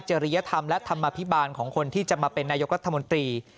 ริยธรรมและธรรมภิบาลของคนที่จะมาเป็นนายกรัฐมนตรี